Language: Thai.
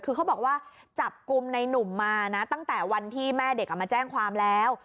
คือเขาบอกว่าจับกลุ่มในหนุ่มมานะตั้งแต่วันที่แม่เด็กมาแจ้งความแล้ว